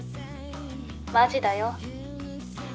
マジだよ。